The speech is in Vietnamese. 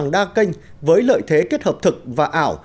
để kết hợp thực và ảo